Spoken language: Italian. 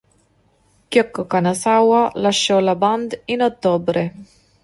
Kyoko Kanazawa lasciò la band in Ottobre.